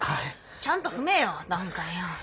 ちゃんと踏めよ段階を。